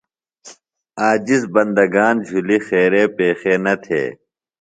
عاجز بندگان جُھلیۡ خیرے پیخے نہ تھےۡ۔